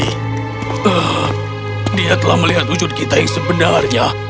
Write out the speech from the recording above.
hah dia telah melihat wujud kita yang sebenarnya